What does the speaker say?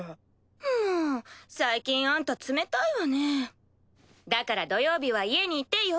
最近アンタ冷たいわねだから土曜日は家にいてよ。